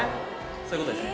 そういうことですね。